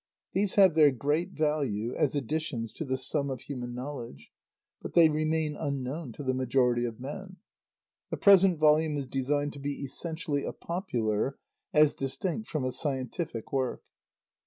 These have their great value as additions to the sum of human knowledge, but they remain unknown to the majority of men. The present volume is designed to be essentially a popular, as distinct from a scientific work.